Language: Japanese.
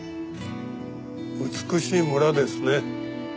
美しい村ですね。